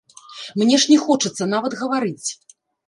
Мне ж не хочацца нават гаварыць.